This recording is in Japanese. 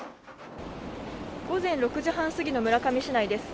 午前６時半過ぎの村上市内です。